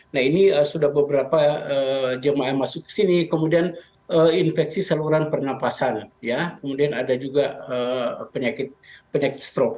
nah ini sudah beberapa jemaah yang masuk ke sini kemudian infeksi saluran pernapasan kemudian ada juga penyakit stroke